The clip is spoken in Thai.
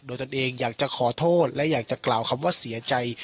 โดยตนเองอยากจะขอโทษและอยากจะกล่าวคำว่าเสียใจ